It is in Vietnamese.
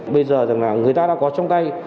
bây giờ rằng là người ta đã có trong tay